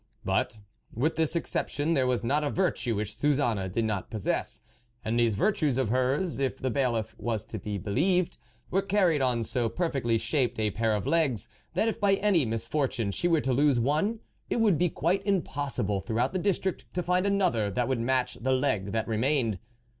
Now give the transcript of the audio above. But, with this exception, there was not a virtue which Suzanne did not possess, and these virtues of hers, if the Bailiff was to be believed, were car ried on so perfectly shaped a pair of legs, that, if by any misfortune she were to lose one, it would be quite impossible through out the district to find another that would match the leg that remained.